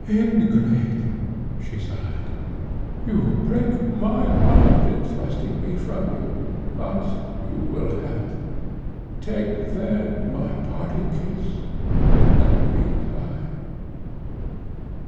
"Ingrate!" she sighed "you break my heart in thrusting me from you. But you will have it. Take, then, my parting kiss, and let me die!"